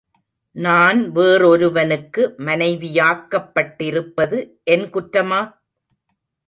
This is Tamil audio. நான் வேறொருவனுக்கு மனேவியாக்கப் பட்டிருப்பது என் குற்றமா?